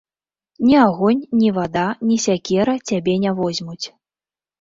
Ні агонь, ні вада, ні сякера цябе не возьмуць.